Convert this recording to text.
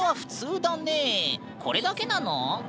これだけなの？